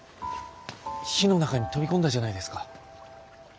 火の中に飛び込んだじゃないですか。